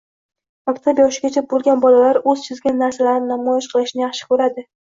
Maktab yoshigacha bo‘lgan bolalar o‘z chizgan narsalarini namoyish qilishni yaxshi ko'radi.